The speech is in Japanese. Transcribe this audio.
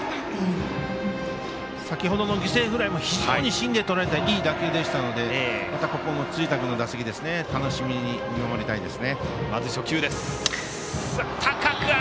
先ほどの犠牲フライも芯でとらえたいい打球でしたのでここも辻田君の打席を楽しみに見守りたいです。